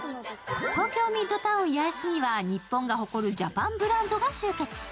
東京ミッドタウン八重洲には日本が誇るジャパンブランドが集結。